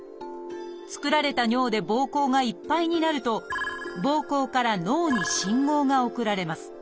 作られた尿でぼうこうがいっぱいになるとぼうこうから脳に信号が送られます。